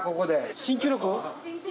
新記録？